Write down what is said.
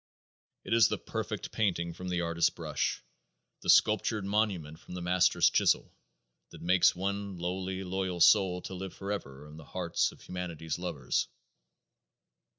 It is the perfect painting from the artist's brush the sculptured monument from the master's chisel that makes one lowly, loyal soul to live forever in the hearts of humanity's lovers.